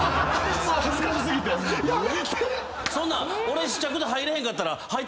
俺試着で入れへんかったら。